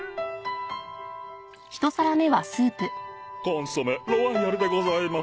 「コンソメロワイヤル」でございます。